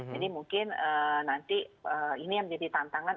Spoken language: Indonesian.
jadi mungkin nanti ini yang menjadi tantangan